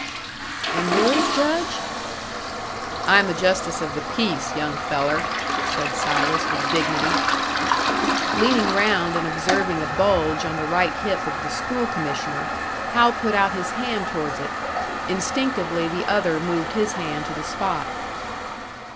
"And yours, Judge?" "I'm a justice of the peace, young feller," said Silas, with dignity. Leaning round, and observing a bulge on the right hip of the School commissioner, Hal put out his hand towards it. Instinctively the other moved his hand to the spot.